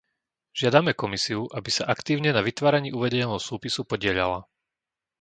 Žiadame Komisiu, aby sa aktívne na vytváraní uvedeného súpisu podieľala.